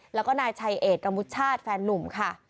แล้วก็นายชัยเอดรมุชชาติแฟนหนุ่มค่ะ